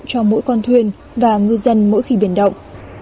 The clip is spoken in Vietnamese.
cho mỗi con thuyền và ngư dân mỗi khi biển động